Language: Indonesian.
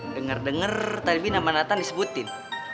dengar dengar tadi bi nama natan disebutin